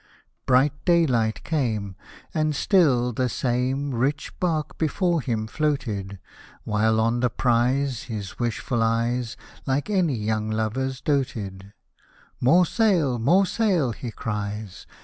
Bright daylight came, And still the same Rich bark before him floated ; While on the prize His wishful eyes Like any young lover's doated :" More sail I more sail !" he cries.